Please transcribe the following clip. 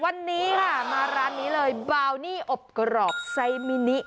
วันนี้ค่ะมาร้านนี้เลยบาวนี่อบกรอบไซมินิ